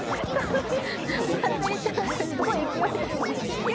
まつりちゃん、すごい勢いですね。